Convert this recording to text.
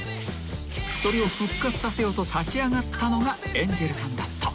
［それを復活させようと立ち上がったのがエンジェルさんだった］